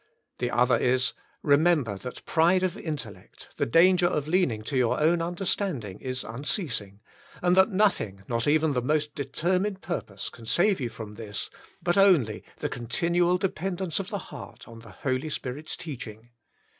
The other is, remem ber that pride of intellect, the danger of leaning to your own understanding is unceasing, and that nothing, not even the most determined purpose, can save you from this, but only the continual dependence of the heart on the Holy Spirif s teaching.